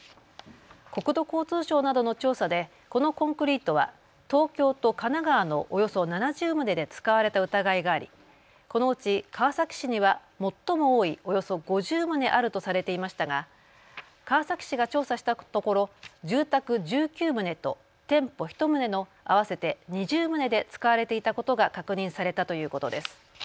国土交通省などの調査でこのコンクリートは東京と神奈川のおよそ７０棟で使われた疑いがありこのうち川崎市には最も多いおよそ５０棟あるとされていましたが川崎市が調査したところ住宅１９棟と店舗１棟の合わせて２０棟で使われていたことが確認されたということです。